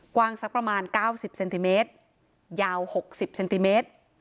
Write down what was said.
กว้างสักประมาณ๙๐เซนติเมตรยาว๖๐เซนติเมตร